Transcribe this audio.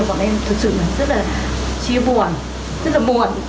bọn em thực sự rất là chia buồn rất là buồn